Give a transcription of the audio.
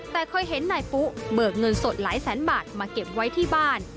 แต่เคยเห็นนายปุ๊เบิกเงินสดหลายแสนบาทมาเก็บไว้ที่บ้าน